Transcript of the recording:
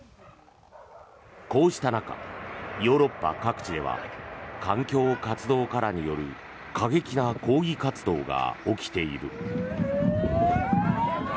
こうした中、ヨーロッパ各地では環境活動家らによる過激な抗議活動が起きている。